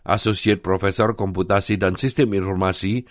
associate profesor komputasi dan sistem informasi